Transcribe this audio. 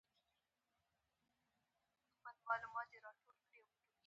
فکري رواداري یې روښانه طرز عمل دی.